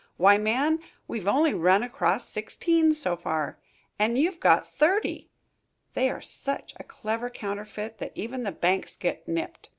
Why, man, we've only run across sixteen so far, and you've got thirty. They are such a clever counterfeit that even the banks get nipped.